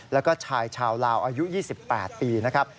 แล้วก็ชายชาวลาวอายุ๒๘ปีนะครับ